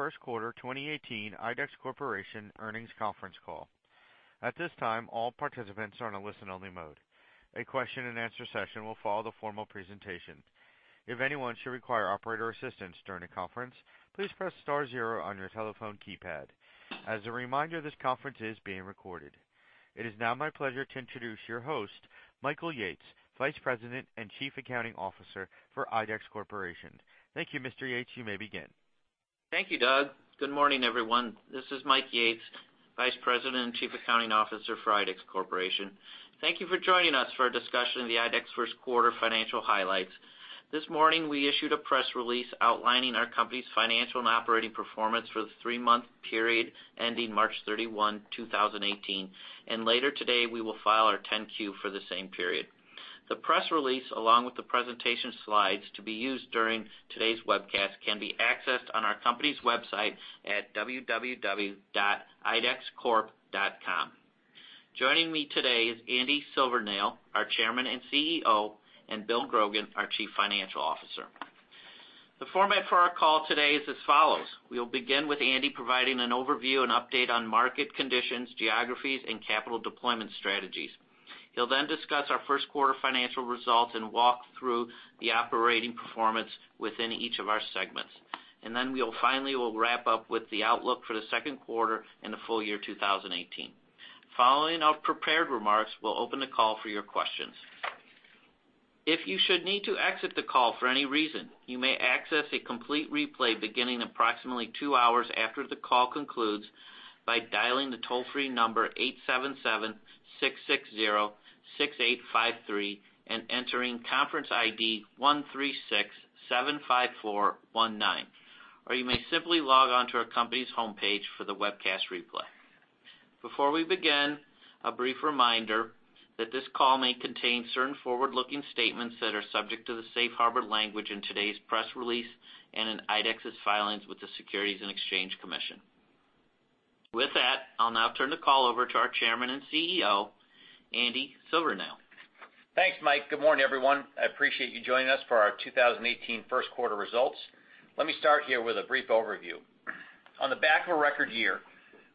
First quarter 2018 IDEX Corporation earnings conference call. At this time, all participants are in a listen-only mode. A question and answer session will follow the formal presentation. If anyone should require operator assistance during the conference, please press star zero on your telephone keypad. As a reminder, this conference is being recorded. It is now my pleasure to introduce your host, Michael Yates, Vice President and Chief Accounting Officer for IDEX Corporation. Thank you, Mr. Yates. You may begin. Thank you, Doug. Good morning, everyone. This is Mike Yates, Vice President and Chief Accounting Officer for IDEX Corporation. Thank you for joining us for a discussion of the IDEX first quarter financial highlights. This morning, we issued a press release outlining our company's financial and operating performance for the three-month period ending March 31, 2018, and later today, we will file our 10-Q for the same period. The press release, along with the presentation slides to be used during today's webcast, can be accessed on our company's website at www.idexcorp.com. Joining me today is Andy Silvernail, our Chairman and CEO, and Bill Grogan, our Chief Financial Officer. The format for our call today is as follows. We'll begin with Andy providing an overview and update on market conditions, geographies, and capital deployment strategies. He'll then discuss our first quarter financial results and walk through the operating performance within each of our segments. Then we finally will wrap up with the outlook for the second quarter and the full year 2018. Following our prepared remarks, we'll open the call for your questions. If you should need to exit the call for any reason, you may access a complete replay beginning approximately two hours after the call concludes by dialing the toll-free number 877-660-6853 and entering conference ID 13675419, or you may simply log on to our company's homepage for the webcast replay. Before we begin, a brief reminder that this call may contain certain forward-looking statements that are subject to the safe harbor language in today's press release and in IDEX's filings with the Securities and Exchange Commission. With that, I'll now turn the call over to our Chairman and CEO, Andy Silvernail. Thanks, Mike. Good morning, everyone. I appreciate you joining us for our 2018 first quarter results. Let me start here with a brief overview. On the back of a record year,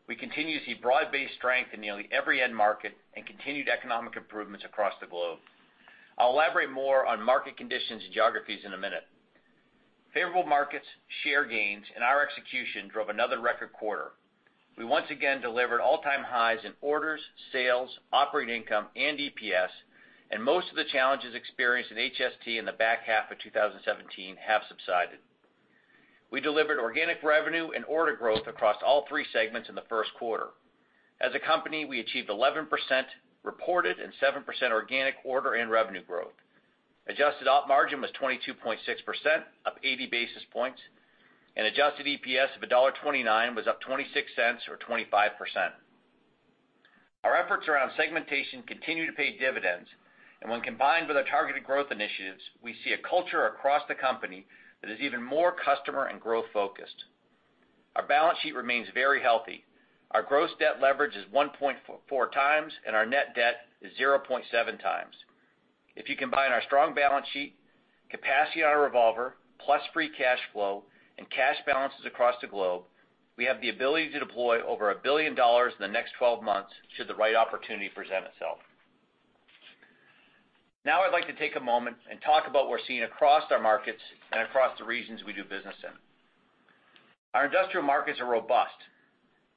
we continue to see broad-based strength in nearly every end market and continued economic improvements across the globe. I'll elaborate more on market conditions and geographies in a minute. Favorable markets, share gains, and our execution drove another record quarter. We once again delivered all-time highs in orders, sales, operating income, and EPS, and most of the challenges experienced in HST in the back half of 2017 have subsided. We delivered organic revenue and order growth across all three segments in the first quarter. As a company, we achieved 11% reported and 7% organic order and revenue growth. Adjusted op margin was 22.6%, up 80 basis points, and adjusted EPS of $1.29 was up $0.26, or 25%. Our efforts around segmentation continue to pay dividends, and when combined with our targeted growth initiatives, we see a culture across the company that is even more customer and growth-focused. Our balance sheet remains very healthy. Our gross debt leverage is 1.4 times, and our net debt is 0.7 times. If you combine our strong balance sheet, capacity on our revolver, plus free cash flow and cash balances across the globe, we have the ability to deploy over $1 billion in the next 12 months should the right opportunity present itself. Now I'd like to take a moment and talk about what we're seeing across our markets and across the regions we do business in. Our industrial markets are robust.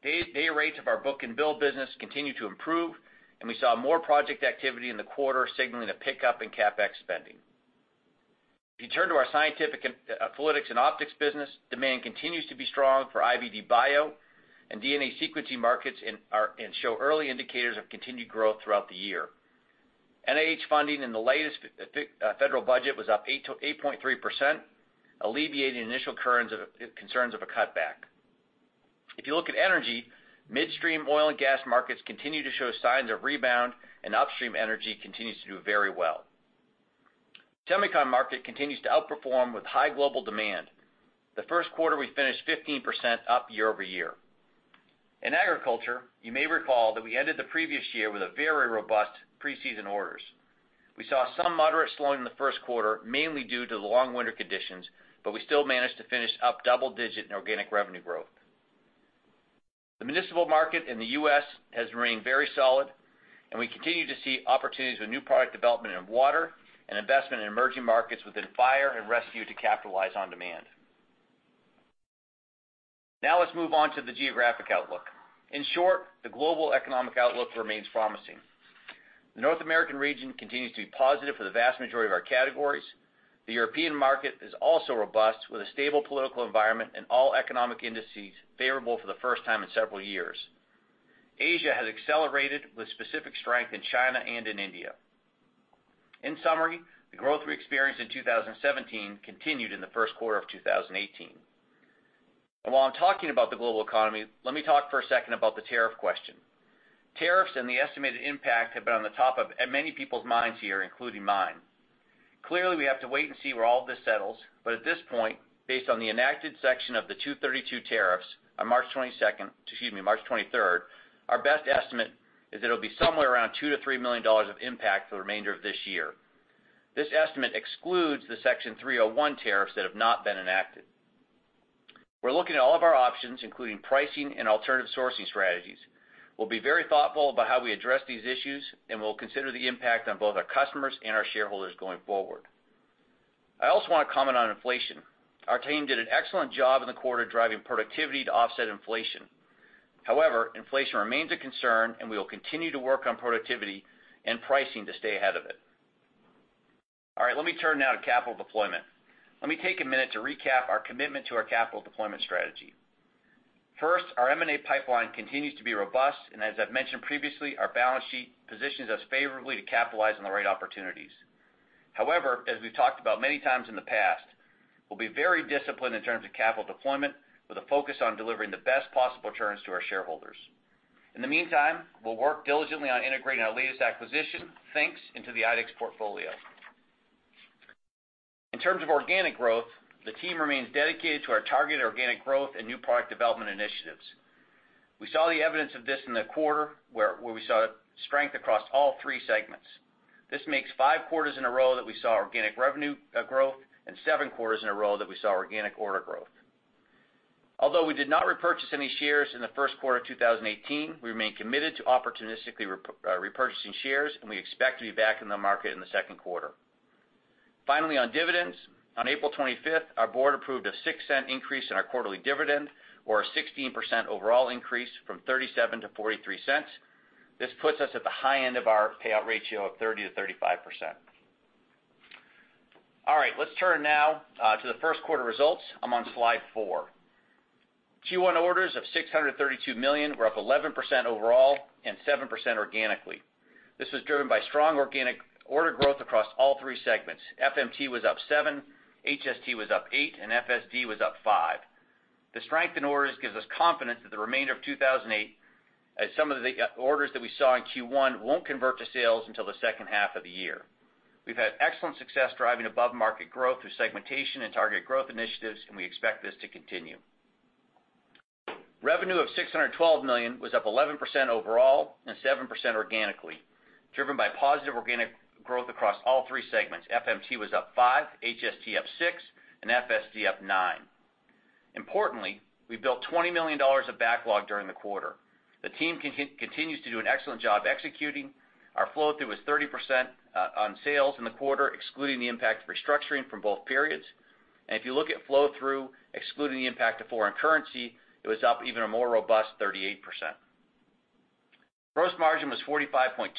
Day rates of our book-and-bill business continue to improve, and we saw more project activity in the quarter, signaling a pickup in CapEx spending. If you turn to our scientific fluidics and optics business, demand continues to be strong for IVD bio and DNA sequencing markets and show early indicators of continued growth throughout the year. NIH funding in the latest federal budget was up 8.3%, alleviating initial concerns of a cutback. If you look at energy, midstream oil and gas markets continue to show signs of rebound and upstream energy continues to do very well. Semiconductor market continues to outperform with high global demand. The first quarter, we finished 15% up year-over-year. In agriculture, you may recall that we ended the previous year with very robust pre-season orders. We saw some moderate slowing in the first quarter, mainly due to the long winter conditions, but we still managed to finish up double digits in organic revenue growth. The municipal market in the U.S. has remained very solid, and we continue to see opportunities with new product development in water and investment in emerging markets within fire and rescue to capitalize on demand. Now let's move on to the geographic outlook. In short, the global economic outlook remains promising. The North American region continues to be positive for the vast majority of our categories. The European market is also robust, with a stable political environment and all economic indices favorable for the first time in several years. Asia has accelerated with specific strength in China and in India. In summary, the growth we experienced in 2017 continued in the first quarter of 2018. While I'm talking about the global economy, let me talk for a second about the tariff question. Tariffs and the estimated impact have been on the top of many people's minds here, including mine. Clearly, we have to wait and see where all this settles, but at this point, based on the enacted Section of the 232 tariffs on March 23rd, our best estimate is that it'll be somewhere around $2 million to $3 million of impact for the remainder of this year. This estimate excludes the Section 301 tariffs that have not been enacted. We're looking at all of our options, including pricing and alternative sourcing strategies. We'll be very thoughtful about how we address these issues, and we'll consider the impact on both our customers and our shareholders going forward. I also want to comment on inflation. Our team did an excellent job in the quarter driving productivity to offset inflation. However, inflation remains a concern, and we will continue to work on productivity and pricing to stay ahead of it. All right. Let me turn now to capital deployment. Let me take a minute to recap our commitment to our capital deployment strategy. First, our M&A pipeline continues to be robust, and as I've mentioned previously, our balance sheet positions us favorably to capitalize on the right opportunities. However, as we've talked about many times in the past, we'll be very disciplined in terms of capital deployment with a focus on delivering the best possible returns to our shareholders. In the meantime, we'll work diligently on integrating our latest acquisition, Finger Lakes Instrumentation, into the IDEX portfolio. In terms of organic growth, the team remains dedicated to our targeted organic growth and new product development initiatives. We saw the evidence of this in the quarter where we saw strength across all three segments. This makes five quarters in a row that we saw organic revenue growth and seven quarters in a row that we saw organic order growth. Although we did not repurchase any shares in the first quarter of 2018, we remain committed to opportunistically repurchasing shares, and we expect to be back in the market in the second quarter. Finally, on dividends, on April 25th, our board approved a $0.06 increase in our quarterly dividend or a 16% overall increase from $0.37 to $0.43. This puts us at the high end of our payout ratio of 30%-35%. All right. Let's turn now to the first quarter results. I'm on slide four. Q1 orders of $632 million were up 11% overall and 7% organically. This was driven by strong organic order growth across all three segments. FMT was up 7%, HST was up 8%, and FSD was up 5%. The strength in orders gives us confidence that the remainder of 2018, as some of the orders that we saw in Q1 won't convert to sales until the second half of the year. We've had excellent success driving above-market growth through segmentation and targeted growth initiatives, and we expect this to continue. Revenue of $612 million was up 11% overall and 7% organically, driven by positive organic growth across all three segments. FMT was up 5%, HST up 6%, and FSD up 9%. Importantly, we built $20 million of backlog during the quarter. The team continues to do an excellent job executing. Our flow-through was 30% on sales in the quarter, excluding the impact of restructuring from both periods. And if you look at flow-through, excluding the impact of foreign currency, it was up even a more robust 38%. Gross margin was 45.2%,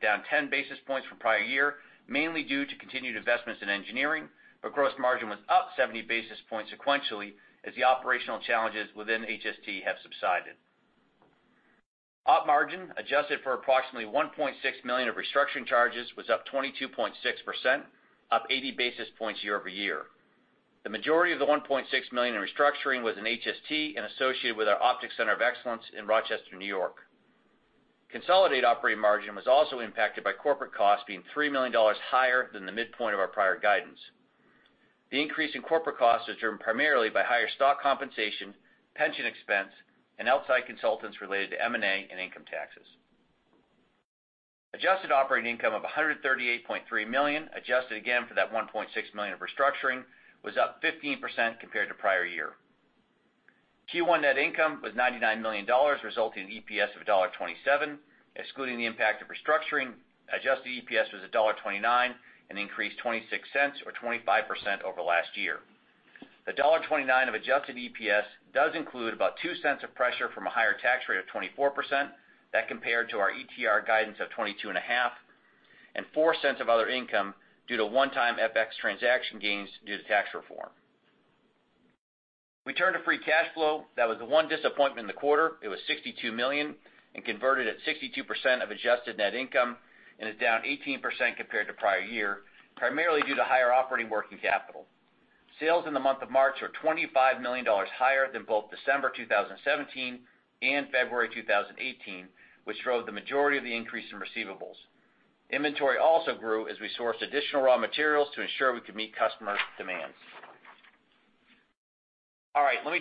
down 10 basis points from prior year, mainly due to continued investments in engineering, but gross margin was up 70 basis points sequentially as the operational challenges within HST have subsided. Op margin, adjusted for approximately $1.6 million of restructuring charges, was up 22.6%, up 80 basis points year-over-year. The majority of the $1.6 million in restructuring was in HST and associated with our Optics Center of Excellence in Rochester, N.Y. Consolidated operating margin was also impacted by corporate costs being $3 million higher than the midpoint of our prior guidance. The increase in corporate costs is driven primarily by higher stock compensation, pension expense, and outside consultants related to M&A and income taxes. Adjusted operating income of $138.3 million, adjusted again for that $1.6 million of restructuring, was up 15% compared to prior year. Q1 net income was $99 million, resulting in EPS of $1.27. Excluding the impact of restructuring, adjusted EPS was $1.29, an increase of $0.26 or 25% over last year. The $1.29 of adjusted EPS does include about $0.02 of pressure from a higher tax rate of 24%. That compared to our ETR guidance of 22.5% and $0.04 of other income due to one-time FX transaction gains due to tax reform. Turn to free cash flow. That was the one disappointment in the quarter. It was $62 million and converted at 62% of adjusted net income and is down 18% compared to prior year, primarily due to higher operating working capital. Sales in the month of March were $25 million higher than both December 2017 and February 2018, which drove the majority of the increase in receivables. Inventory also grew as we sourced additional raw materials to ensure we could meet customer demands.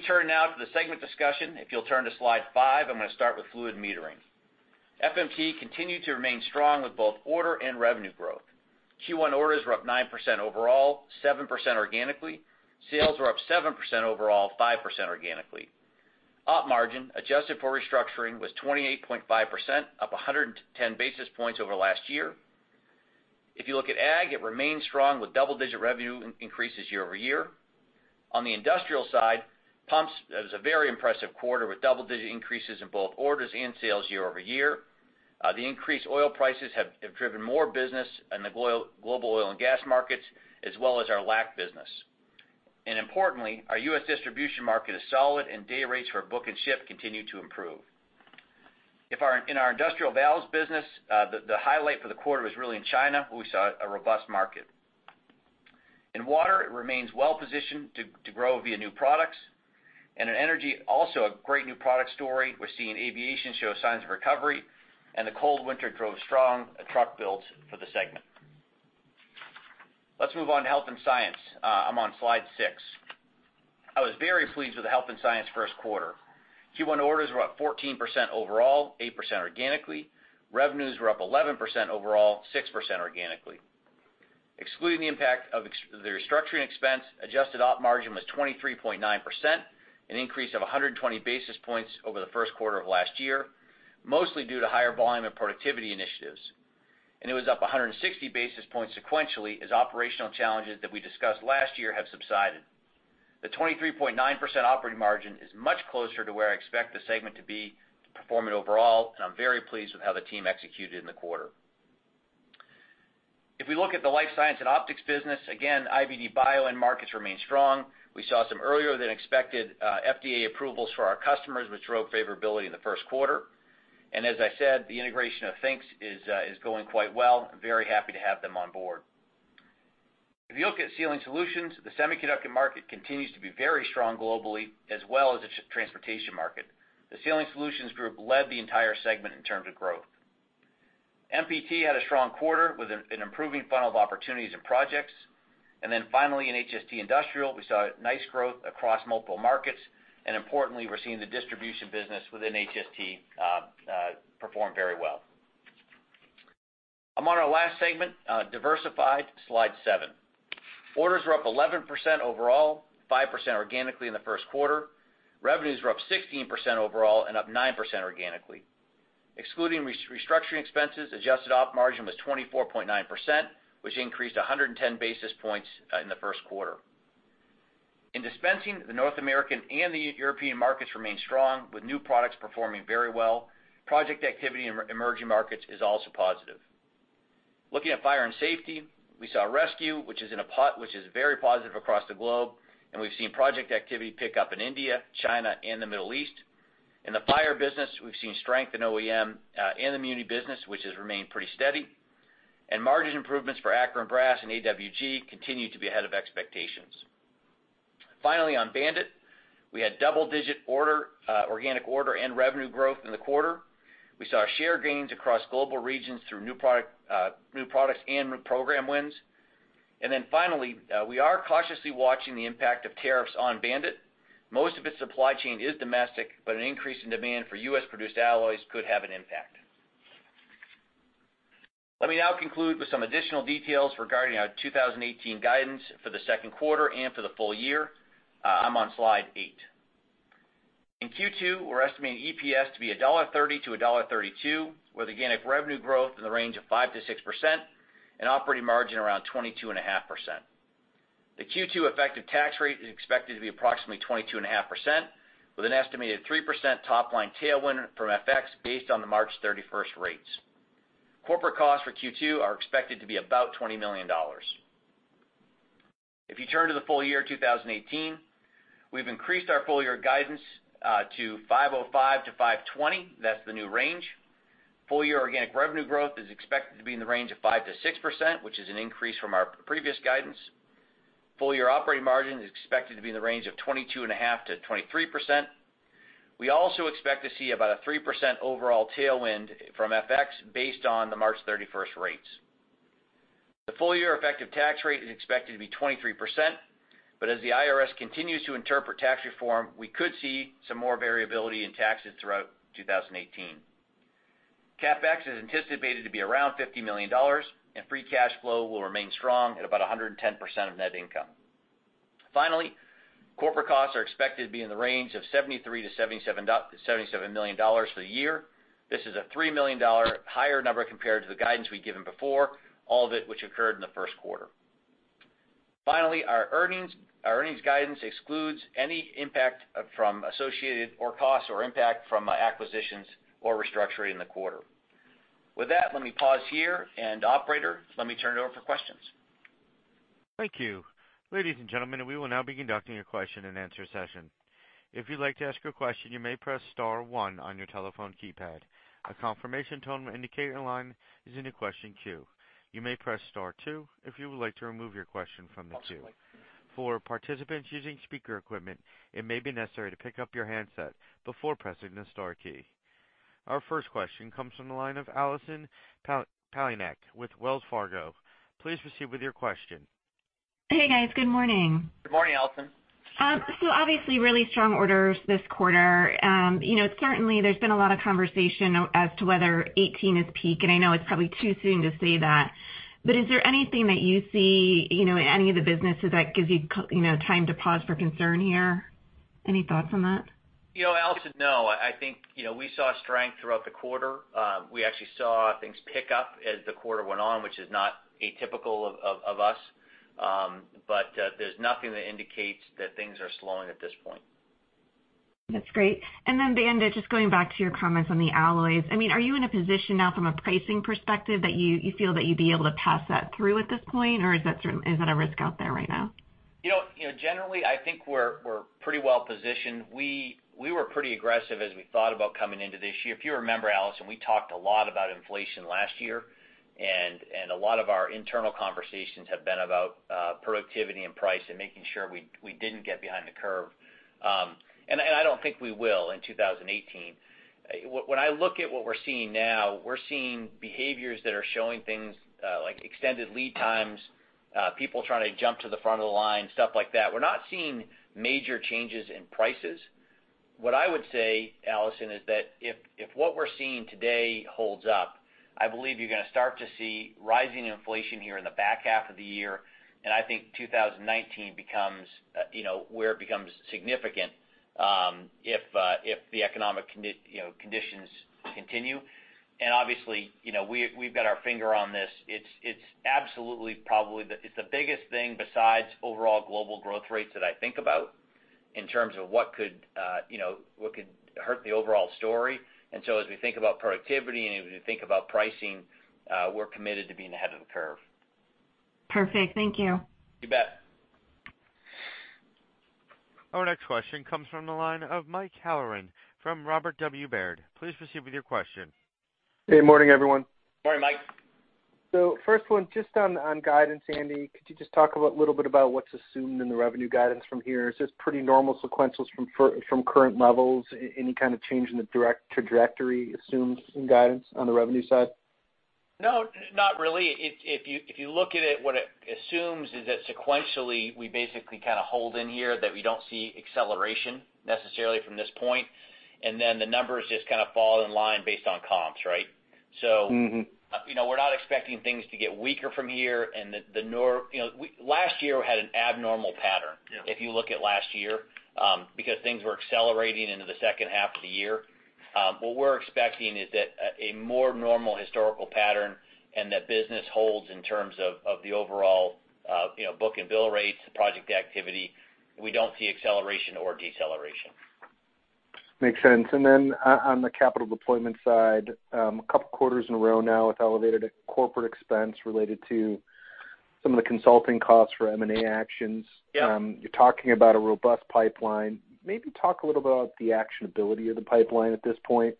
Turn now to the segment discussion. If you'll turn to slide 5, I'm going to start with fluid metering. FMT continued to remain strong with both order and revenue growth. Q1 orders were up 9% overall, 7% organically. Sales were up 7% overall, 5% organically. Op margin, adjusted for restructuring, was 28.5%, up 110 basis points over last year. If you look at Ag, it remains strong with double-digit revenue increases year-over-year. On the industrial side, pumps, it was a very impressive quarter with double-digit increases in both orders and sales year-over-year. The increased oil prices have driven more business in the global oil and gas markets, as well as our LAC business. Importantly, our U.S. distribution market is solid, and day rates for book and turn continue to improve. In our industrial valves business, the highlight for the quarter was really in China. We saw a robust market. In water, it remains well positioned to grow via new products. In energy, also a great new product story. We're seeing aviation show signs of recovery, and the cold winter drove strong truck builds for the segment. Move on to health and science. I'm on slide 6. I was very pleased with the health and science first quarter. Q1 orders were up 14% overall, 8% organically. Revenues were up 11% overall, 6% organically. Excluding the impact of the restructuring expense, adjusted op margin was 23.9%, an increase of 120 basis points over the first quarter of last year, mostly due to higher volume and productivity initiatives. It was up 160 basis points sequentially, as operational challenges that we discussed last year have subsided. The 23.9% operating margin is much closer to where I expect the segment to be performing overall, and I'm very pleased with how the team executed in the quarter. If we look at the life science and optics business, again, IVD bio end markets remain strong. We saw some earlier than expected FDA approvals for our customers, which drove favorability in the first quarter. As I said, the integration of Finger Lakes Instrumentation is going quite well. I'm very happy to have them on board. If you look at Sealing Solutions, the semiconductor market continues to be very strong globally, as well as the transportation market. The Sealing Solutions group led the entire segment in terms of growth. MPT had a strong quarter with an improving funnel of opportunities and projects. Finally in HST Industrial, we saw nice growth across multiple markets, and importantly, we are seeing the distribution business within HST perform very well. I am on our last segment, Diversified, slide seven. Orders were up 11% overall, 5% organically in the first quarter. Revenues were up 16% overall and up 9% organically. Excluding restructuring expenses, adjusted op margin was 24.9%, which increased 110 basis points in the first quarter. In dispensing, the North American and the European markets remain strong, with new products performing very well. Project activity in emerging markets is also positive. Looking at fire and safety, we saw rescue, which is very positive across the globe, and we have seen project activity pick up in India, China, and the Middle East. In the fire business, we have seen strength in OEM and the muni business, which has remained pretty steady. Margin improvements for Akron Brass and AWG continue to be ahead of expectations. Finally, on BAND-IT, we had double-digit organic order and revenue growth in the quarter. We saw share gains across global regions through new products and program wins. Finally, we are cautiously watching the impact of tariffs on BAND-IT. Most of its supply chain is domestic, but an increase in demand for U.S.-produced alloys could have an impact. Let me now conclude with some additional details regarding our 2018 guidance for the second quarter and for the full year. I am on slide eight. In Q2, we are estimating EPS to be $1.30-$1.32, with organic revenue growth in the range of 5%-6% and operating margin around 22.5%. The Q2 effective tax rate is expected to be approximately 22.5%, with an estimated 3% top-line tailwind from FX based on the March 31st rates. Corporate costs for Q2 are expected to be about $20 million. If you turn to the full year 2018, we have increased our full-year guidance to $5.05-$5.20. That is the new range. Full-year organic revenue growth is expected to be in the range of 5%-6%, which is an increase from our previous guidance. Full-year operating margin is expected to be in the range of 22.5%-23%. We also expect to see about a 3% overall tailwind from FX based on the March 31st rates. The full-year effective tax rate is expected to be 23%, but as the IRS continues to interpret tax reform, we could see some more variability in taxes throughout 2018. CapEx is anticipated to be around $50 million, and free cash flow will remain strong at about 110% of net income. Finally, corporate costs are expected to be in the range of $73 million-$77 million for the year. This is a $3 million higher number compared to the guidance we had given before, all of it which occurred in the first quarter. Finally, our earnings guidance excludes any impact from associated or costs or impact from acquisitions or restructuring in the quarter. With that, let me pause here, and operator, let me turn it over for questions. Thank you. Ladies and gentlemen, we will now be conducting a question and answer session. If you'd like to ask a question, you may press star one on your telephone keypad. A confirmation tone will indicate your line is in the question queue. You may press star two if you would like to remove your question from the queue. For participants using speaker equipment, it may be necessary to pick up your handset before pressing the star key. Our first question comes from the line of Allison Poliniak-Cusic with Wells Fargo. Please proceed with your question. Hey, guys. Good morning. Good morning, Allison. Obviously, really strong orders this quarter. Certainly, there's been a lot of conversation as to whether 2018 is peak, and I know it's probably too soon to say that, but is there anything that you see in any of the businesses that gives you time to pause for concern here? Any thoughts on that? Allison, no. I think we saw strength throughout the quarter. We actually saw things pick up as the quarter went on, which is not atypical of us. There's nothing that indicates that things are slowing at this point. That's great. BAND-IT, just going back to your comments on the alloys. Are you in a position now from a pricing perspective that you feel that you'd be able to pass that through at this point, or is that a risk out there right now? Generally, I think we're pretty well positioned. We were pretty aggressive as we thought about coming into this year. If you remember, Allison, we talked a lot about inflation last year, and a lot of our internal conversations have been about productivity and price and making sure we didn't get behind the curve. I don't think we will in 2018. When I look at what we're seeing now, we're seeing behaviors that are showing things like extended lead times, people trying to jump to the front of the line, stuff like that. We're not seeing major changes in prices. What I would say, Allison, is that if what we're seeing today holds up, I believe you're going to start to see rising inflation here in the back half of the year, and I think 2019 becomes where it becomes significant, if the economic conditions continue. Obviously, we've got our finger on this. It's absolutely probably the biggest thing besides overall global growth rates that I think about in terms of what could hurt the overall story. As we think about productivity and as we think about pricing, we're committed to being ahead of the curve. Perfect. Thank you. You bet. Our next question comes from the line of Michael Halloran from Robert W. Baird. Please proceed with your question. Good morning, everyone. Morning, Mike. First one, just on guidance, Andy, could you just talk a little bit about what's assumed in the revenue guidance from here? Is this pretty normal sequentials from current levels? Any kind of change in the direct trajectory assumed in guidance on the revenue side? No, not really. If you look at it, what it assumes is that sequentially, we basically kind of hold in here, that we don't see acceleration necessarily from this point, and then the numbers just kind of fall in line based on comps, right? We're not expecting things to get weaker from here and last year we had an abnormal pattern. Yeah If you look at last year, because things were accelerating into the second half of the year. What we're expecting is that a more normal historical pattern and that business holds in terms of the overall book and bill rates, project activity. We don't see acceleration or deceleration. Makes sense. Then on the capital deployment side, a couple of quarters in a row now with elevated corporate expense related to some of the consulting costs for M&A actions. Yeah. You're talking about a robust pipeline. Maybe talk a little about the actionability of the pipeline at this point.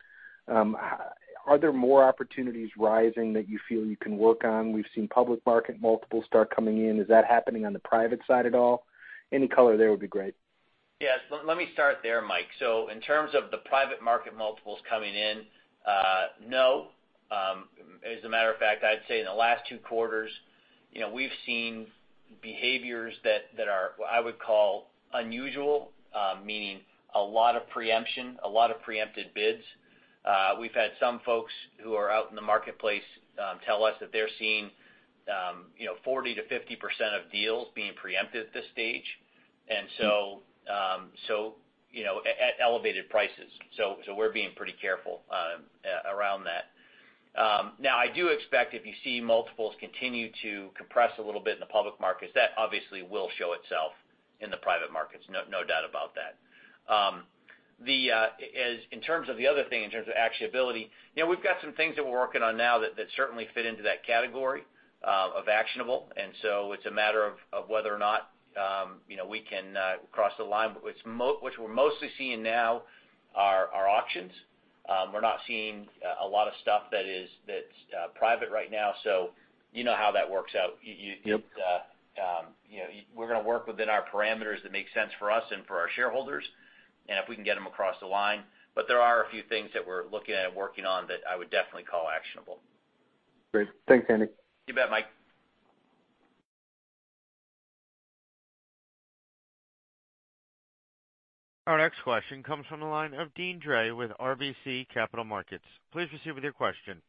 Are there more opportunities rising that you feel you can work on? We've seen public market multiples start coming in. Is that happening on the private side at all? Any color there would be great. Yes. Let me start there, Mike. In terms of the private market multiples coming in, no. As a matter of fact, I'd say in the last two quarters, we've seen behaviors that are, what I would call unusual. Meaning a lot of preemption, a lot of preempted bids. We've had some folks who are out in the marketplace, tell us that they're seeing 40%-50% of deals being preempted at this stage, at elevated prices. We're being pretty careful around that. Now, I do expect if you see multiples continue to compress a little bit in the public markets, that obviously will show itself in the private markets. No doubt about that. In terms of the other thing, in terms of actionability, we've got some things that we're working on now that certainly fit into that category of actionable. It's a matter of whether or not we can cross the line. What we're mostly seeing now are auctions. We're not seeing a lot of stuff that's private right now, so you know how that works out. Yep. We're going to work within our parameters that make sense for us and for our shareholders, if we can get them across the line. There are a few things that we're looking at working on that I would definitely call actionable. Great. Thanks, Andy. You bet, Mike. Our next question comes from the line of Deane Dray with RBC Capital Markets. Please proceed with your question.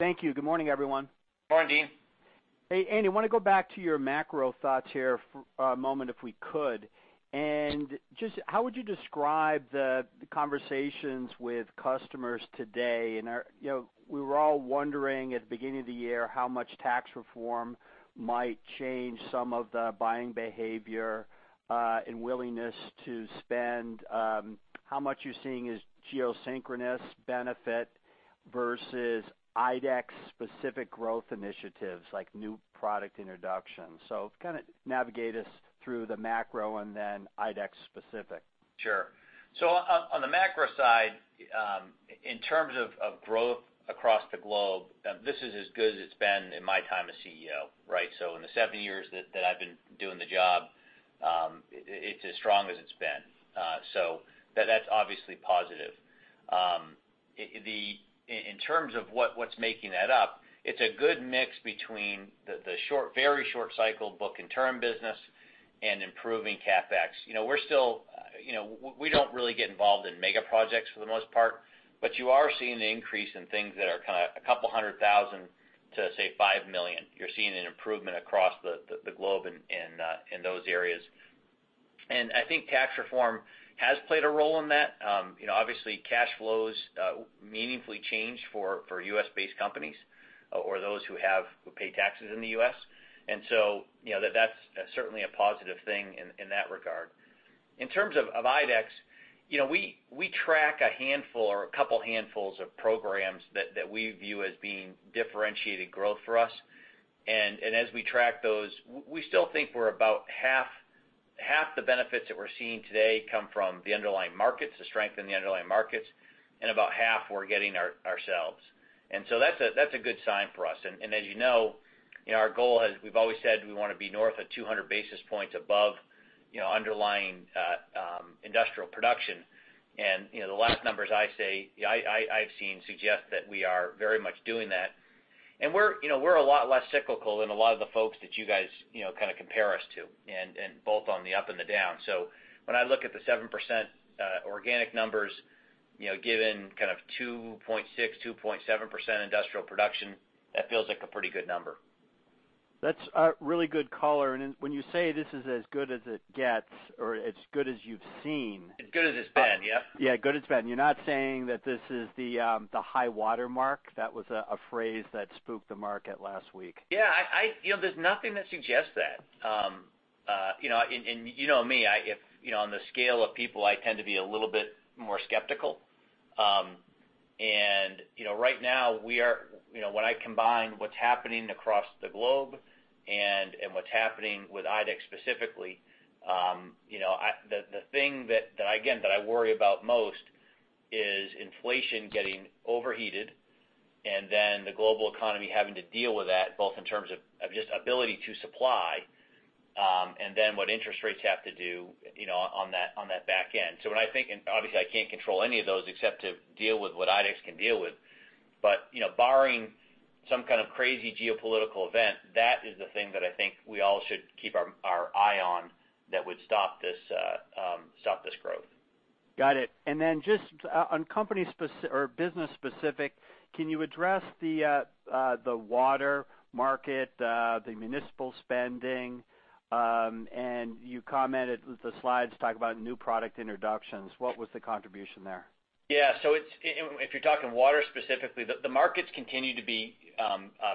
Thank you. Good morning, everyone. Morning, Deane. Hey, Andy, I want to go back to your macro thoughts here for a moment if we could. Just how would you describe the conversations with customers today? We were all wondering at the beginning of the year how much tax reform might change some of the buying behavior and willingness to spend. How much you're seeing is geosynchronous benefit versus IDEX-specific growth initiatives like new product introduction. Kind of navigate us through the macro and then IDEX specific. Sure. On the macro side, in terms of growth across the globe, this is as good as it's been in my time as CEO, right? In the seven years that I've been doing the job, it's as strong as it's been. That's obviously positive. In terms of what's making that up, it's a good mix between the very short cycle book and turn business and improving CapEx. We don't really get involved in mega projects for the most part, but you are seeing an increase in things that are kind of $200,000 to, say, $5 million. You're seeing an improvement across the globe in those areas. I think tax reform has played a role in that. Obviously, cash flows meaningfully changed for U.S.-based companies or those who pay taxes in the U.S., that's certainly a positive thing in that regard. In terms of IDEX, we track a handful or a couple handfuls of programs that we view as being differentiated growth for us. As we track those, we still think half the benefits that we're seeing today come from the underlying markets, the strength in the underlying markets, about half we're getting ourselves. That's a good sign for us. As you know, our goal, as we've always said, we want to be north of 200 basis points above underlying industrial production. The last numbers I've seen suggest that we are very much doing that. We're a lot less cyclical than a lot of the folks that you guys compare us to, both on the up and the down. When I look at the 7% organic numbers, given kind of 2.6%, 2.7% industrial production, that feels like a pretty good number. That's a really good color. When you say this is as good as it gets or as good as you've seen- As good as it's been, yep Yeah, good as it's been. You're not saying that this is the high water mark. That was a phrase that spooked the market last week. Yeah. There's nothing that suggests that. You know me, on the scale of people, I tend to be a little bit more skeptical. Right now, when I combine what's happening across the globe and what's happening with IDEX specifically, the thing that, again, that I worry about most is inflation getting overheated, and then the global economy having to deal with that, both in terms of just ability to supply, and then what interest rates have to do on that back end. When I think, and obviously I can't control any of those except to deal with what IDEX can deal with, but barring some kind of crazy geopolitical event, that is the thing that I think we all should keep our eye on that would stop this growth. Got it. Just on business specific, can you address the water market, the municipal spending, and you commented with the slides, talk about new product introductions. What was the contribution there? Yeah. If you're talking water specifically, the markets continue to be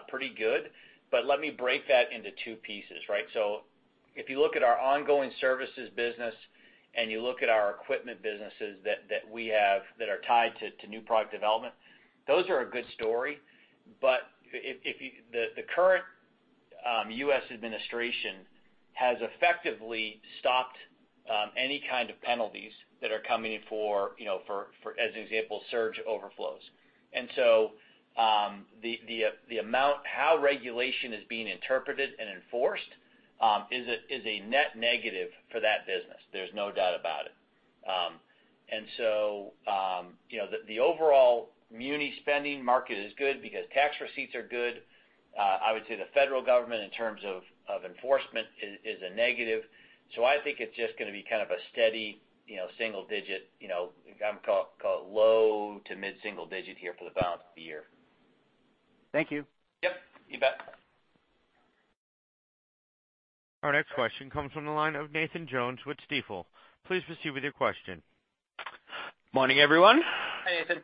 pretty good, but let me break that into two pieces, right? If you look at our ongoing services business and you look at our equipment businesses that we have that are tied to new product development, those are a good story. The current U.S. administration has effectively stopped any kind of penalties that are coming in for, as an example, surge overflows. How regulation is being interpreted and enforced is a net negative for that business. There's no doubt about it. The overall muni spending market is good because tax receipts are good. I would say the federal government, in terms of enforcement, is a negative. I think it's just going to be kind of a steady single digit, call it low to mid-single digit here for the balance of the year. Thank you. Yep, you bet. Our next question comes from the line of Nathan Jones with Stifel. Please proceed with your question. Morning, everyone. Hey, Nathan.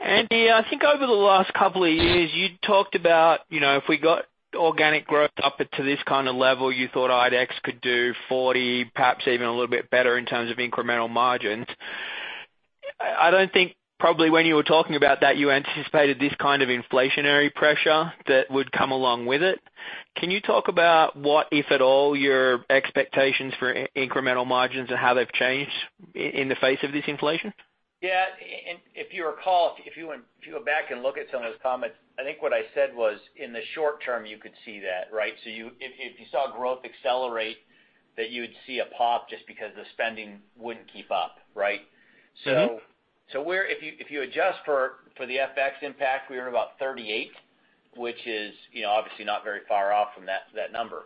Andy, I think over the last couple of years, you talked about if we got organic growth up to this kind of level, you thought IDEX could do 40%, perhaps even a little bit better in terms of incremental margins. I don't think probably when you were talking about that, you anticipated this kind of inflationary pressure that would come along with it. Can you talk about what, if at all, your expectations for incremental margins and how they've changed in the face of this inflation? Yeah. If you recall, if you go back and look at some of those comments, I think what I said was, in the short term, you could see that, right? If you saw growth accelerate, that you would see a pop just because the spending wouldn't keep up, right? If you adjust for the FX impact, we are about 38, which is obviously not very far off from that number.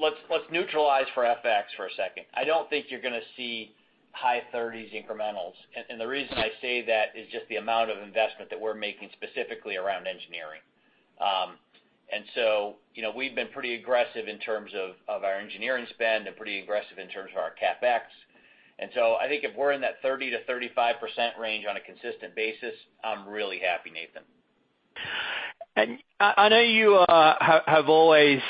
Let's neutralize for FX for a second. I don't think you're going to see high 30s incrementals. The reason I say that is just the amount of investment that we're making specifically around engineering. We've been pretty aggressive in terms of our engineering spend and pretty aggressive in terms of our CapEx. I think if we're in that 30%-35% range on a consistent basis, I'm really happy, Nathan. I know you have always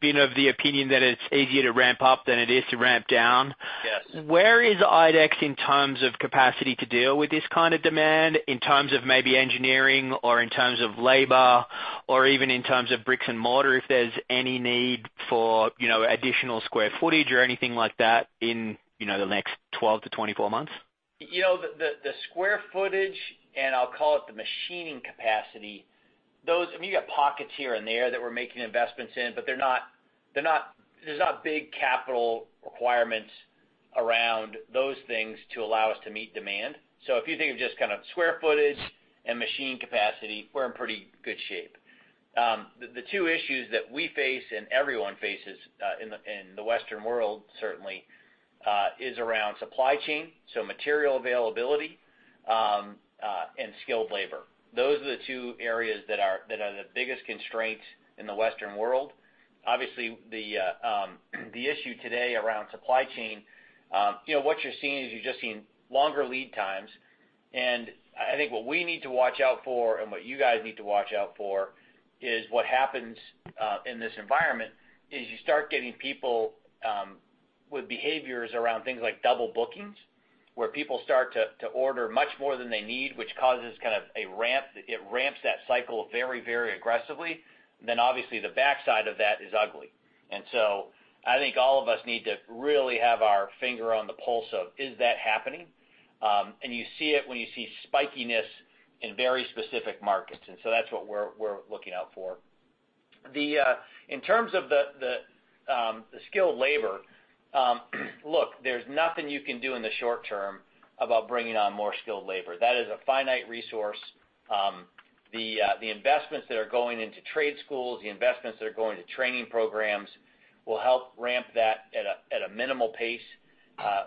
been of the opinion that it's easier to ramp up than it is to ramp down. Yes. Where is IDEX in terms of capacity to deal with this kind of demand in terms of maybe engineering or in terms of labor, or even in terms of bricks and mortar, if there's any need for additional square footage or anything like that in the next 12-24 months? The square footage, and I'll call it the machining capacity, those, I mean, you got pockets here and there that we're making investments in, but there's not big capital requirements around those things to allow us to meet demand. If you think of just kind of square footage and machine capacity, we're in pretty good shape. The two issues that we face and everyone faces in the Western World, certainly, is around supply chain, so material availability, and skilled labor. Those are the two areas that are the biggest constraints in the Western World. Obviously, the issue today around supply chain, what you're seeing is you're just seeing longer lead times. I think what we need to watch out for and what you guys need to watch out for is what happens in this environment is you start getting people with behaviors around things like double bookings. Where people start to order much more than they need, which causes kind of a ramp. It ramps that cycle very, very aggressively. Obviously, the backside of that is ugly. I think all of us need to really have our finger on the pulse of, is that happening? You see it when you see spikiness in very specific markets. That's what we're looking out for. In terms of the skilled labor, look, there's nothing you can do in the short term about bringing on more skilled labor. That is a finite resource. The investments that are going into trade schools, the investments that are going to training programs will help ramp that at a minimal pace.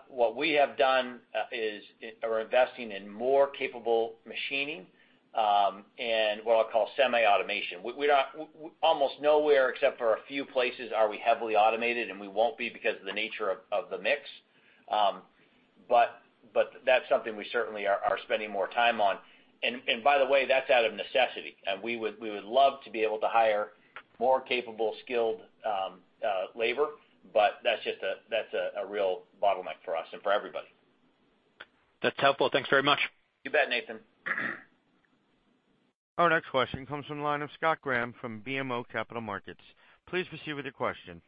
What we have done is are investing in more capable machining, and what I'll call semi-automation. Almost nowhere, except for a few places, are we heavily automated, and we won't be because of the nature of the mix. That's something we certainly are spending more time on. By the way, that's out of necessity. We would love to be able to hire more capable, skilled labor, but that's a real bottleneck for us and for everybody. That's helpful. Thanks very much. You bet, Nathan. Our next question comes from the line of Scott Graham from BMO Capital Markets. Please proceed with your question.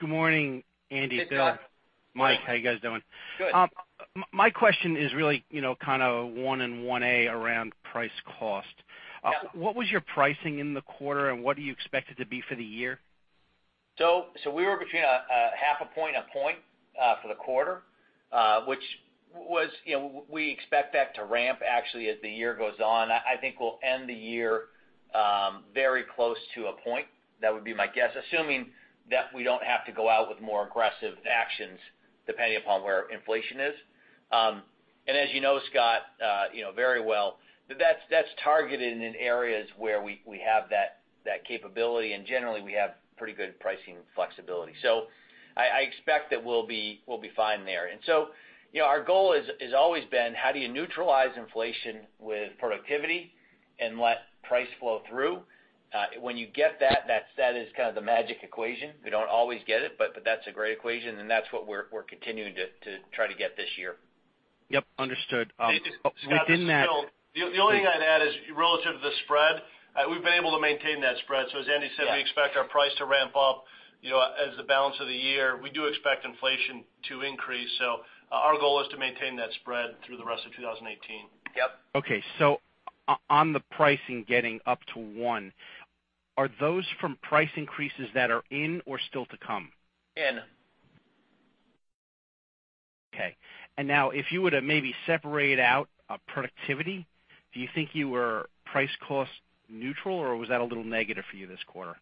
Good morning, Andy, Bill. Good, Scott. Mike, how you guys doing? Good. My question is really kind of one and 1A around price cost. Yeah. What was your pricing in the quarter, and what do you expect it to be for the year? We were between a half a point, a point for the quarter, which we expect that to ramp actually as the year goes on. I think we'll end the year very close to a point, that would be my guess, assuming that we don't have to go out with more aggressive actions, depending upon where inflation is. As you know, Scott, very well, that's targeted in areas where we have that capability, and generally, we have pretty good pricing flexibility. I expect that we'll be fine there. Our goal has always been how do you neutralize inflation with productivity and let price flow through? When you get that is kind of the magic equation. We don't always get it, but that's a great equation, and that's what we're continuing to try to get this year. Yep, understood. Within that- Scott, this is Bill. The only thing I'd add is relative to the spread, we've been able to maintain that spread. As Andy said. Yeah We expect our price to ramp up as the balance of the year. We do expect inflation to increase, our goal is to maintain that spread through the rest of 2018. Yep. Okay. On the pricing getting up to one, are those from price increases that are in or still to come? In. Okay. Now if you were to maybe separate out productivity, do you think you were price-cost neutral, or was that a little negative for you this quarter?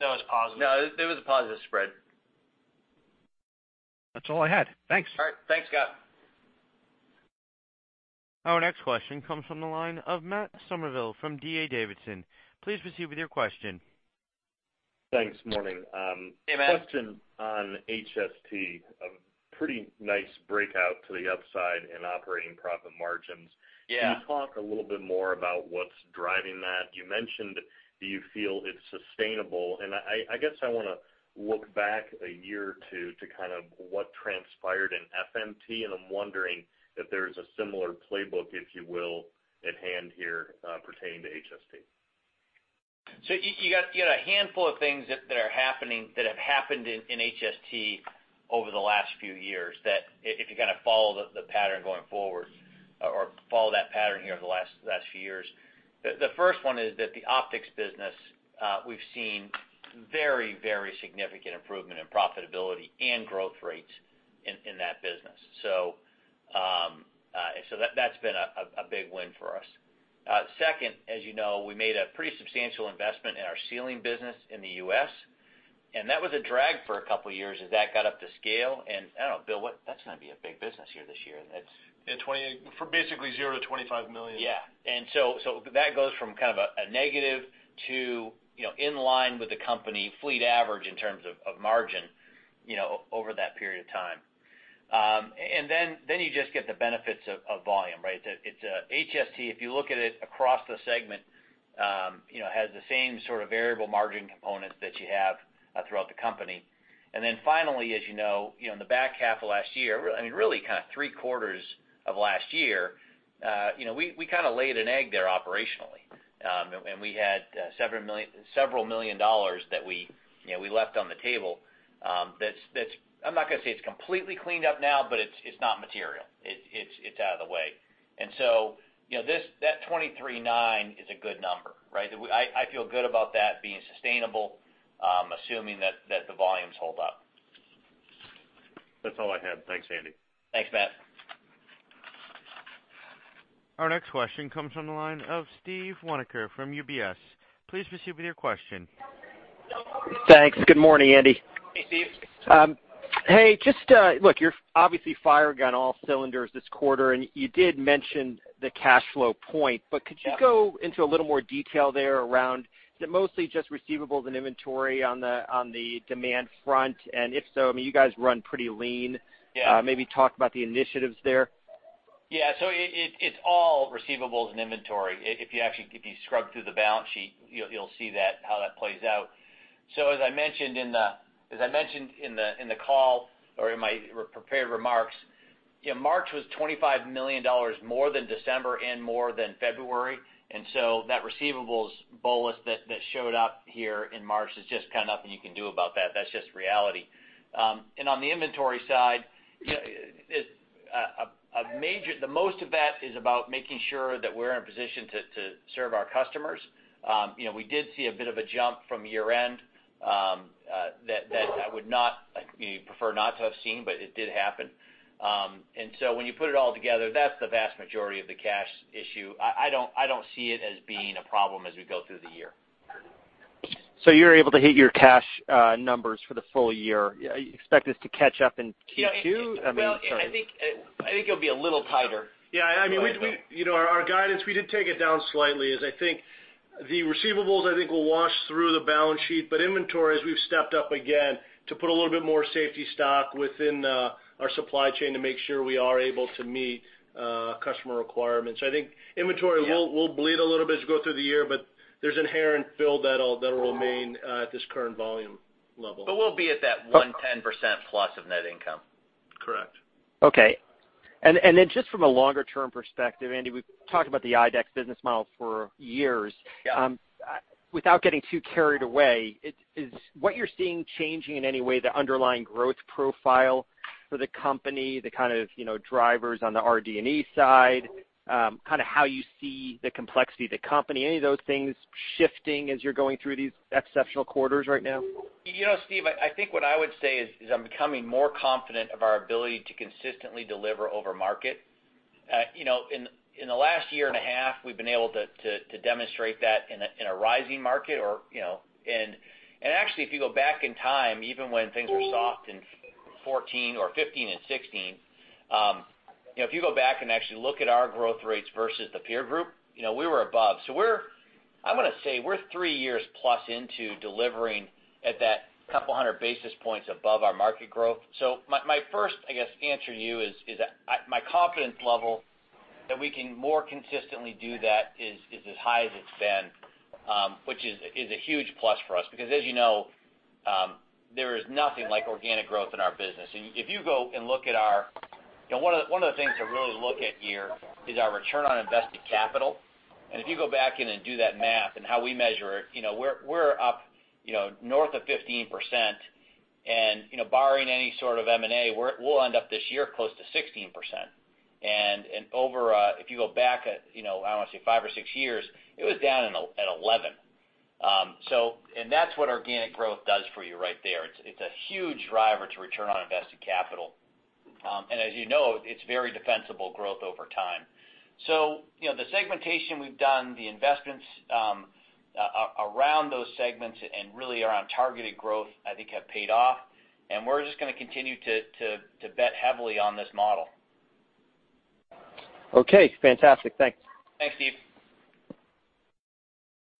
That was positive. No, it was a positive spread. That's all I had. Thanks. All right. Thanks, Scott. Our next question comes from the line of Matt Summerville from D.A. Davidson. Please proceed with your question. Thanks, morning. Hey, Matt. Question on HST. A pretty nice breakout to the upside in operating profit margins. Yeah. Can you talk a little bit more about what's driving that? You mentioned, do you feel it's sustainable? I guess I want to look back a year or two to kind of what transpired in FMT, and I'm wondering if there's a similar playbook, if you will, at hand here pertaining to HST. You got a handful of things that are happening that have happened in HST over the last few years that if you kind of follow the pattern going forward or follow that pattern here over the last few years. The first one is that the optics business, we've seen very, very significant improvement in profitability and growth rates in that business. That's been a big win for us. Second, as you know, we made a pretty substantial investment in our sealing business in the U.S., and that was a drag for a couple of years as that got up to scale. I don't know, Bill, that's going to be a big business here this year. From basically zero to $25 million. Yeah. That goes from kind of a negative to in line with the company fleet average in terms of margin over that period of time. Then you just get the benefits of volume, right? HST, if you look at it across the segment, has the same sort of variable margin components that you have throughout the company. Then finally, as you know, in the back half of last year, I mean, really kind of three quarters of last year, we kind of laid an egg there operationally. We had several million dollars that we left on the table that's, I'm not going to say it's completely cleaned up now, but it's not material. It's out of the way. That 23.9% is a good number, right? I feel good about that being sustainable, assuming that the volumes hold up. That's all I had. Thanks, Andy. Thanks, Matt. Our next question comes from the line of Steve Winoker from UBS. Please proceed with your question. Thanks. Good morning, Andy. Hey, Steve. Hey, just look, you're obviously firing on all cylinders this quarter. You did mention the cash flow point. Yeah. Could you go into a little more detail there around is it mostly just receivables and inventory on the demand front? If so, I mean, you guys run pretty lean. Yeah. Maybe talk about the initiatives there. Yeah. It's all receivables and inventory. If you scrub through the balance sheet, you'll see how that plays out. As I mentioned in the call or in my prepared remarks, March was $25 million more than December and more than February. That receivables bolus that showed up here in March, there's just nothing you can do about that. That's just reality. On the inventory side, the most of that is about making sure that we're in a position to serve our customers. We did see a bit of a jump from year-end, that I would prefer not to have seen, but it did happen. When you put it all together, that's the vast majority of the cash issue. I don't see it as being a problem as we go through the year. You're able to hit your cash numbers for the full year. You expect this to catch up in Q2? I mean, sorry. Well, I think it'll be a little tighter. Yeah. Our guidance, we did take it down slightly as I think the receivables will wash through the balance sheet. Inventory, as we've stepped up again, to put a little bit more safety stock within our supply chain to make sure we are able to meet customer requirements. I think inventory will bleed a little bit as you go through the year, but there's inherent fill that'll remain at this current volume level. We'll be at that 110% plus of net income. Correct. Okay. Just from a longer-term perspective, Andy, we've talked about the IDEX business model for years. Yeah. Without getting too carried away, is what you're seeing changing in any way the underlying growth profile for the company, the kind of drivers on the RD&E side, kind of how you see the complexity of the company? Any of those things shifting as you're going through these exceptional quarters right now? Steve, I think what I would say is, I'm becoming more confident of our ability to consistently deliver over market. In the last year and a half, we've been able to demonstrate that in a rising market. Actually, if you go back in time, even when things were soft in 2014 or 2015 and 2016. If you go back and actually look at our growth rates versus the peer group, we were above. I want to say we're three years plus into delivering at that couple 100 basis points above our market growth. My first, I guess, answer to you is that my confidence level that we can more consistently do that is as high as it's been, which is a huge plus for us. As you know, there is nothing like organic growth in our business. One of the things to really look at here is our return on invested capital. If you go back in and do that math and how we measure it, we're up north of 15%. Barring any sort of M&A, we'll end up this year close to 16%. If you go back, I want to say five or six years, it was down at 11. That's what organic growth does for you right there. It's a huge driver to return on invested capital. As you know, it's very defensible growth over time. The segmentation we've done, the investments around those segments and really around targeted growth, I think have paid off. We're just going to continue to bet heavily on this model. Okay, fantastic. Thanks. Thanks, Steve.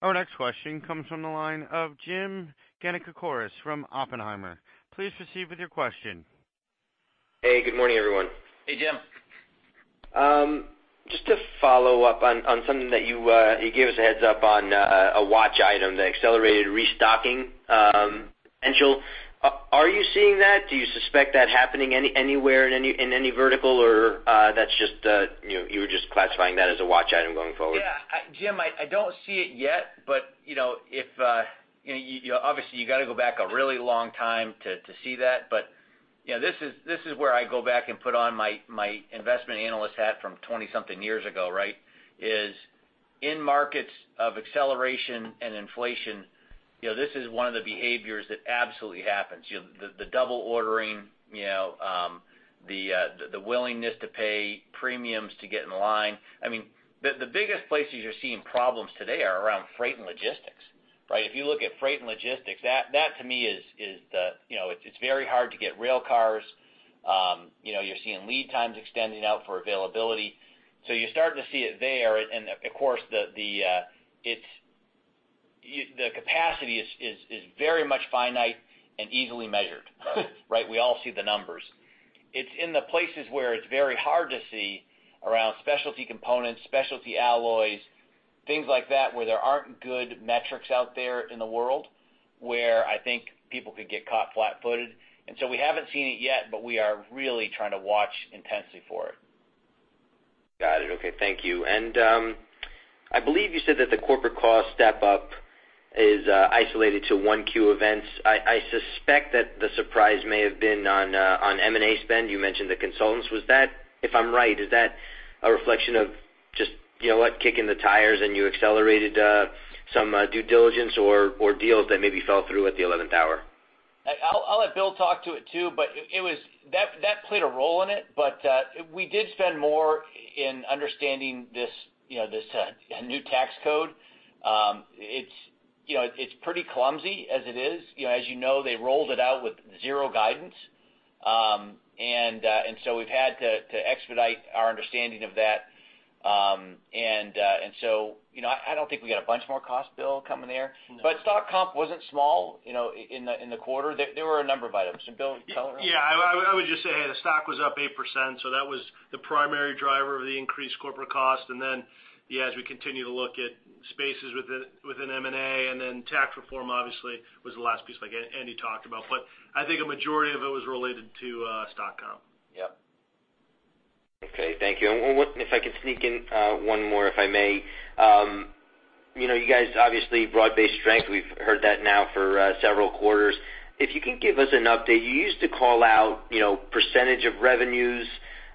Our next question comes from the line of Jim Giannakouros from Oppenheimer. Please proceed with your question. Hey. Good morning, everyone. Hey, Jim. Just to follow up on something that you gave us a heads up on, a watch item, the accelerated restocking potential. Are you seeing that? Do you suspect that happening anywhere in any vertical, or you were just classifying that as a watch item going forward? Yeah. Jim, I don't see it yet, but obviously, you got to go back a really long time to see that. This is where I go back and put on my investment analyst hat from 20 something years ago. Is in markets of acceleration and inflation, this is one of the behaviors that absolutely happens. The double ordering, the willingness to pay premiums to get in line. The biggest places you're seeing problems today are around freight and logistics. If you look at freight and logistics, that to me, it's very hard to get rail cars. You're seeing lead times extending out for availability. You're starting to see it there, and of course, the capacity is very much finite and easily measured. We all see the numbers. It's in the places where it's very hard to see around specialty components, specialty alloys, things like that, where there aren't good metrics out there in the world, where I think people could get caught flat-footed. We haven't seen it yet, but we are really trying to watch intensely for it. Got it. Okay. Thank you. I believe you said that the corporate cost step-up is isolated to 1Q events. I suspect that the surprise may have been on M&A spend. You mentioned the consultants. If I'm right, is that a reflection of just kicking the tires and you accelerated some due diligence or deals that maybe fell through at the 11th hour? I'll let Bill talk to it, too, but that played a role in it. We did spend more in understanding this new tax code. It's pretty clumsy as it is. As you know, they rolled it out with zero guidance. We've had to expedite our understanding of that. I don't think we got a bunch more cost, Bill, coming there. No. Stock comp wasn't small in the quarter. There were a number of items. Bill, tell everyone. Yeah. That was the primary driver of the increased corporate cost. As we continue to look at spaces within M&A, tax reform obviously was the last piece, like Andy talked about. I think a majority of it was related to stock comp. Yep. Okay, thank you. If I could sneak in one more, if I may. You guys, obviously broad-based strength, we've heard that now for several quarters. If you can give us an update, you used to call out percentage of revenues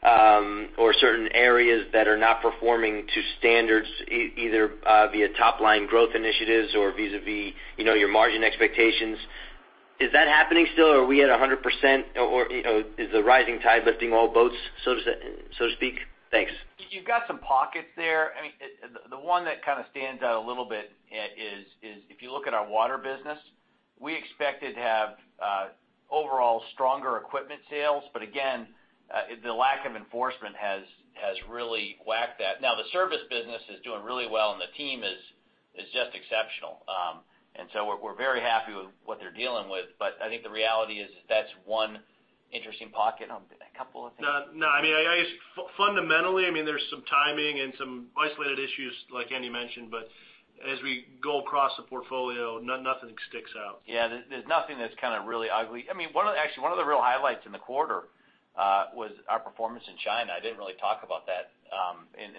or certain areas that are not performing to standards, either via top-line growth initiatives or vis-a-vis your margin expectations. Is that happening still or are we at 100% or is the rising tide lifting all boats, so to speak? Thanks. You've got some pockets there. The one that kind of stands out a little bit is if you look at our water business, we expected to have overall stronger equipment sales. Again, the lack of enforcement has really whacked that. Now, the service business is doing really well, the team is just exceptional. We're very happy with what they're dealing with, but I think the reality is that's one interesting pocket. A couple of things. No, I guess fundamentally, there's some timing and some isolated issues, like Andy mentioned. As we go across the portfolio, nothing sticks out. Yeah. There's nothing that's kind of really ugly. Actually, one of the real highlights in the quarter was our performance in China. I didn't really talk about that in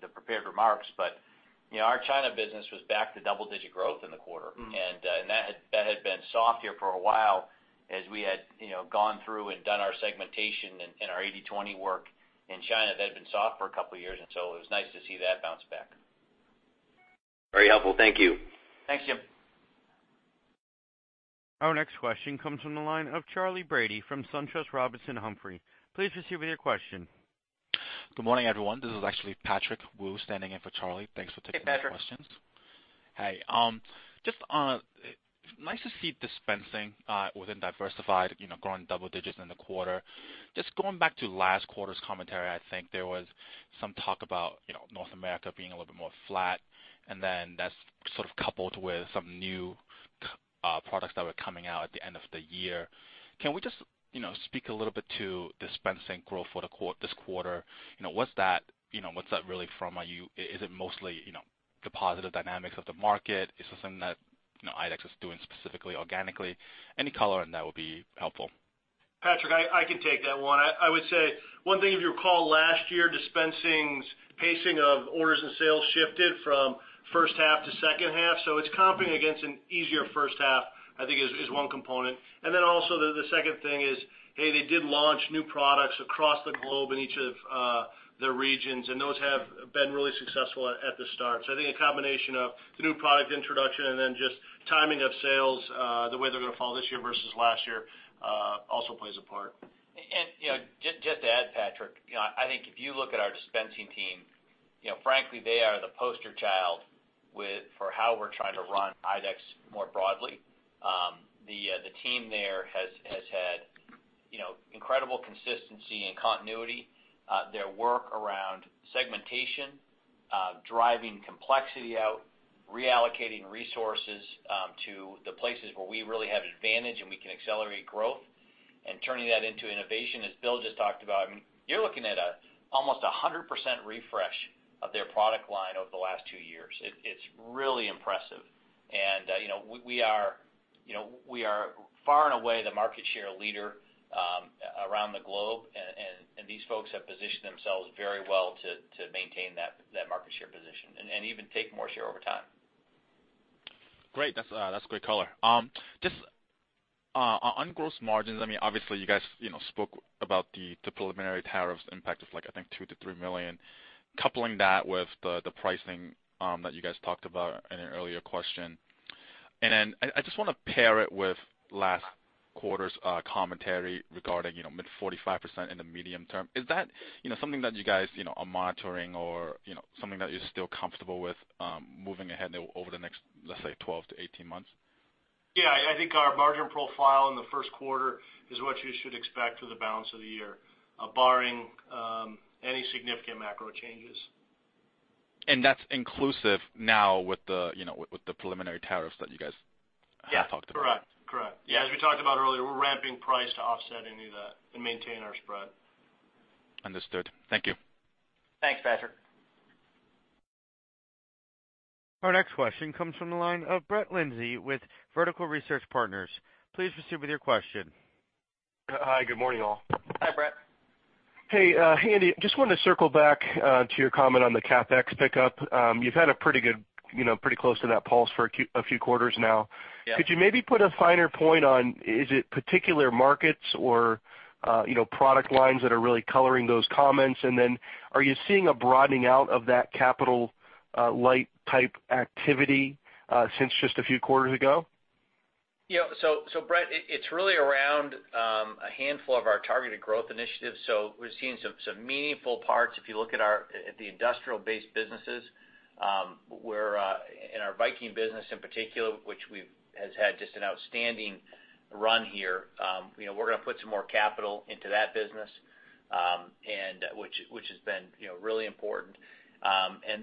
the prepared remarks, but our China business was back to double-digit growth in the quarter. That had been soft here for a while, as we had gone through and done our segmentation and our 80/20 work in China. That had been soft for a couple of years, and so it was nice to see that bounce back. Very helpful. Thank you. Thanks, Jim. Our next question comes from the line of Charlie Brady from SunTrust Robinson Humphrey. Please proceed with your question. Good morning, everyone. This is actually Patrick Wu standing in for Charlie. Thanks for taking my questions. Hey, Patrick. Hey. Just nice to see dispensing within diversified growing double digits in the quarter. Just going back to last quarter's commentary, I think there was some talk about North America being a little bit more flat, and then that's sort of coupled with some new products that were coming out at the end of the year. Can we just speak a little bit to dispensing growth for this quarter? What's that really from? Is it mostly the positive dynamics of the market? Is this something that IDEX is doing specifically organically? Any color on that would be helpful. Patrick, I can take that one. I would say one thing, if you recall last year, dispensing's pacing of orders and sales shifted from first half to second half. It's comping against an easier first half, I think is one component. The second thing is, hey, they did launch new products across the globe in each of their regions, and those have been really successful at the start. I think a combination of the new product introduction and then just timing of sales, the way they're going to fall this year versus last year, also plays a part. Just to add, Patrick, I think if you look at our dispensing team, frankly, they are the poster child for how we're trying to run IDEX more broadly. The team there has had incredible consistency and continuity. Their work around segmentation, driving complexity out, reallocating resources to the places where we really have advantage and we can accelerate growth, and turning that into innovation, as Bill just talked about. You're looking at almost 100% refresh of their product line over the last two years. It's really impressive. We are far and away the market share leader around the globe, and these folks have positioned themselves very well to maintain that market share position and even take more share over time. Great. That's great color. Just on gross margins, obviously you guys spoke about the preliminary tariffs impact of, I think, $2 million-$3 million. Coupling that with the pricing that you guys talked about in an earlier question. I just want to pair it with last quarter's commentary regarding mid 45% in the medium term. Is that something that you guys are monitoring or something that you're still comfortable with moving ahead over the next, let's say, 12-18 months? Yeah. I think our margin profile in the first quarter is what you should expect for the balance of the year, barring any significant macro changes. That's inclusive now with the preliminary tariffs that you guys have talked about? Yeah. Correct. As we talked about earlier, we're ramping price to offset any of that and maintain our spread. Understood. Thank you. Thanks, Patrick. Our next question comes from the line of Brett Linzey with Vertical Research Partners. Please proceed with your question. Hi. Good morning, all. Hi, Brett. Hey, Andy. Just wanted to circle back to your comment on the CapEx pickup. You've had a pretty good, pretty close to that pulse for a few quarters now. Yeah. Could you maybe put a finer point on, is it particular markets or product lines that are really coloring those comments? Then are you seeing a broadening out of that capital light type activity since just a few quarters ago? Yeah. Brett, it's really around a handful of our targeted growth initiatives. We're seeing some meaningful parts. If you look at the industrial-based businesses, in our Viking business in particular, which has had just an outstanding run here, we're going to put some more capital into that business. Which has been really important.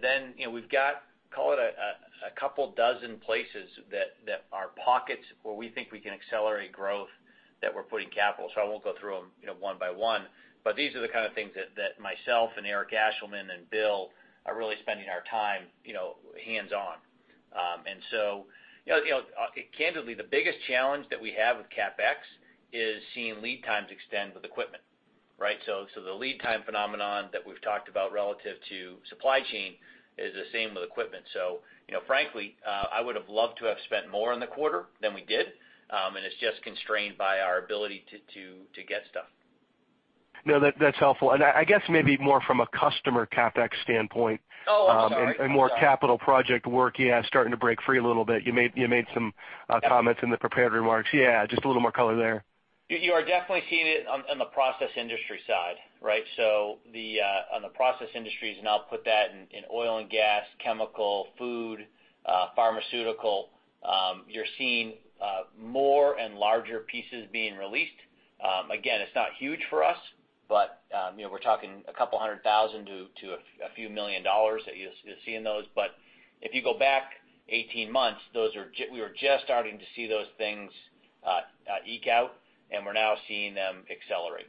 Then we've got, call it a couple dozen places that are pockets where we think we can accelerate growth, that we're putting capital. I won't go through them one by one, but these are the kind of things that myself and Eric Ashleman and Bill are really spending our time hands-on. Candidly, the biggest challenge that we have with CapEx is seeing lead times extend with equipment. Right? The lead time phenomenon that we've talked about relative to supply chain is the same with equipment. Frankly, I would have loved to have spent more in the quarter than we did, and it's just constrained by our ability to get stuff. No, that's helpful. I guess maybe more from a customer CapEx standpoint- Oh, I'm sorry More capital project work, yeah, starting to break free a little bit. You made some comments in the prepared remarks. Yeah, just a little more color there. You are definitely seeing it on the process industry side. Right? On the process industries, and I'll put that in oil and gas, chemical, food, pharmaceutical, you're seeing more and larger pieces being released. Again, it's not huge for us, but we're talking a couple hundred thousand to a few million dollars that you're seeing those. If you go back 18 months, we are just starting to see those things eke out, and we're now seeing them accelerate.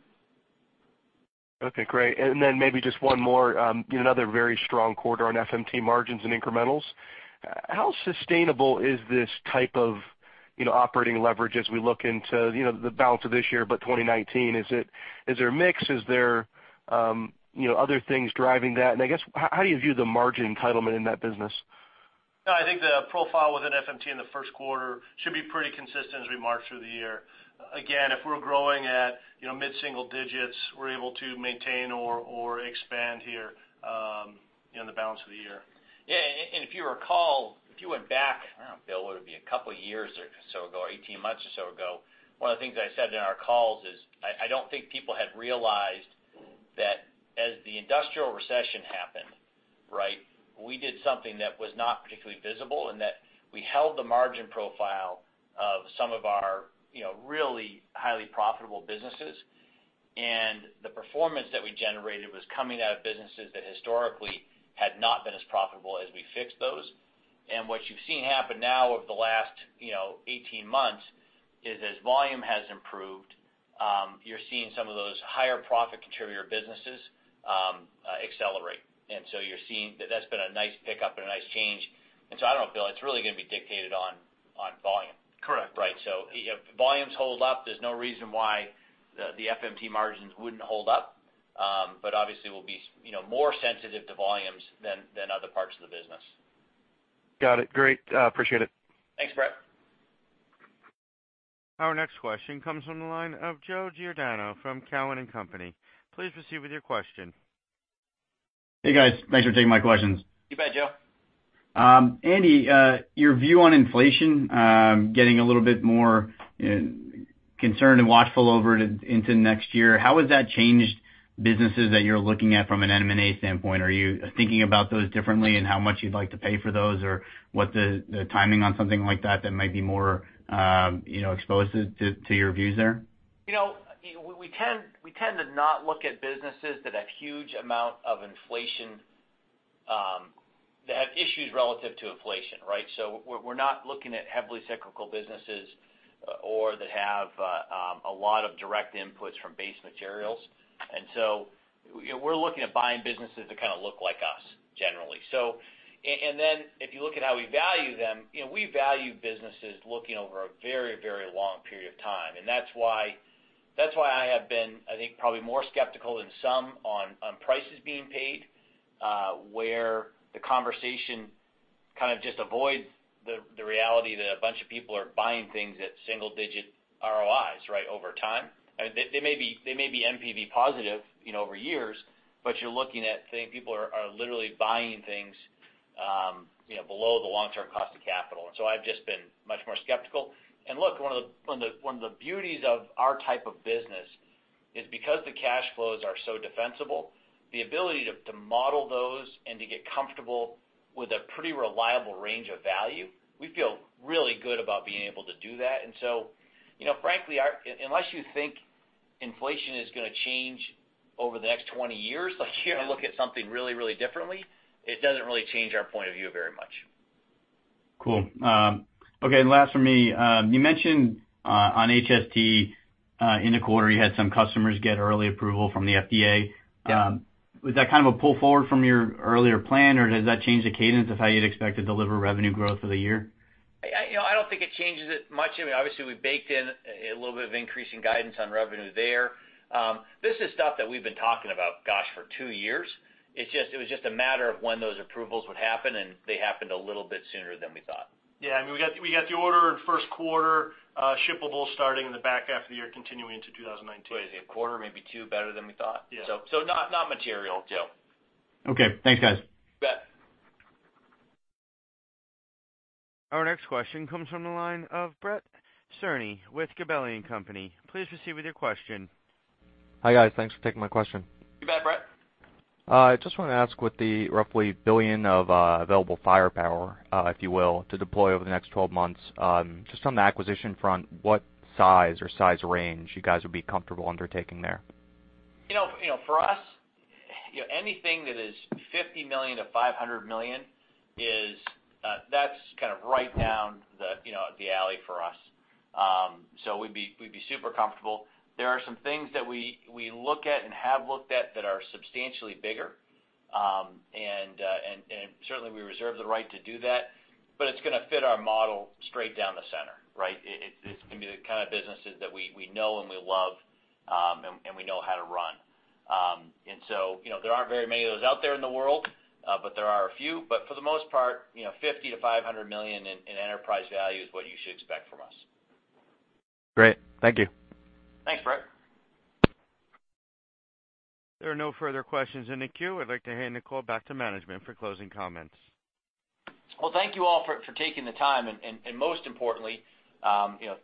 Okay, great. Then maybe just one more. Another very strong quarter on FMT margins and incrementals. How sustainable is this type of operating leverage as we look into the balance of this year, but 2019? Is there a mix? Is there other things driving that? I guess, how do you view the margin entitlement in that business? I think the profile within FMT in the first quarter should be pretty consistent as we march through the year. Again, if we're growing at mid-single digits, we're able to maintain or expand here in the balance of the year. If you recall, if you went back, I don't know, Bill, what would it be? A couple of years or so ago, or 18 months or so ago, one of the things I said in our calls is, I don't think people had realized that as the industrial recession happened, we did something that was not particularly visible, in that we held the margin profile of some of our really highly profitable businesses. The performance that we generated was coming out of businesses that historically had not been as profitable as we fixed those. What you've seen happen now over the last 18 months is, as volume has improved, you're seeing some of those higher profit contributor businesses accelerate. You're seeing that that's been a nice pickup and a nice change. I don't know, Bill, it's really going to be dictated on volume. Correct. Right? If volumes hold up, there's no reason why the FMT margins wouldn't hold up. Obviously, we'll be more sensitive to volumes than other parts of the business. Got it. Great, appreciate it. Thanks, Brett. Our next question comes from the line of Joe Giordano from Cowen and Company. Please proceed with your question. Hey, guys. Thanks for taking my questions. You bet, Joe. Andy, your view on inflation getting a little bit more concerned and watchful over into next year, how has that changed businesses that you're looking at from an M&A standpoint? Are you thinking about those differently and how much you'd like to pay for those? What the timing on something like that that might be more exposed to your views there? We tend to not look at businesses that have huge amount of inflation, that have issues relative to inflation, right? We're not looking at heavily cyclical businesses or that have a lot of direct inputs from base materials. We're looking at buying businesses that kind of look like us, generally. If you look at how we value them, we value businesses looking over a very, very long period of time. That's why I have been, I think, probably more skeptical than some on prices being paid, where the conversation kind of just avoids the reality that a bunch of people are buying things at single-digit ROIs over time. They may be NPV positive over years, but you're looking at, saying people are literally buying things below the long-term cost of capital. I've just been much more skeptical. Look, one of the beauties of our type of business is because the cash flows are so defensible, the ability to model those and to get comfortable with a pretty reliable range of value, we feel really good about being able to do that. Frankly, unless you think inflation is going to change over the next 20 years, like you're going to look at something really, really differently, it doesn't really change our point of view very much. Cool. Okay, last from me. You mentioned on HST in the quarter you had some customers get early approval from the FDA. Yeah. Was that kind of a pull forward from your earlier plan, or does that change the cadence of how you'd expect to deliver revenue growth for the year? I don't think it changes it much. Obviously we baked in a little bit of increase in guidance on revenue there. This is stuff that we've been talking about, gosh, for two years. It was just a matter of when those approvals would happen, and they happened a little bit sooner than we thought. Yeah, we got the order in first quarter shippable starting in the back half of the year continuing into 2019. What is it, a quarter, maybe two better than we thought? Yeah. not material, Joe. Okay, thanks guys. You bet. Our next question comes from the line of Brett Cerny with Gabelli & Company. Please proceed with your question. Hi guys, thanks for taking my question. You bet, Brett. I just wanted to ask, with the roughly billion of available firepower, if you will, to deploy over the next 12 months, just from the acquisition front, what size or size range you guys would be comfortable undertaking there? For us, anything that is $50 million-$500 million, that's kind of right down the alley for us. We'd be super comfortable. There are some things that we look at and have looked at that are substantially bigger. Certainly we reserve the right to do that, but it's going to fit our model straight down the center. Right? It's going to be the kind of businesses that we know and we love, and we know how to run. There aren't very many of those out there in the world, but there are a few. For the most part, $50 million-$500 million in enterprise value is what you should expect from us. Great. Thank you. Thanks, Brett. There are no further questions in the queue. I'd like to hand the call back to management for closing comments. Well, thank you all for taking the time, and most importantly,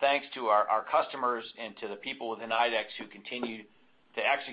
thanks to our customers and to the people within IDEX who continue to execute.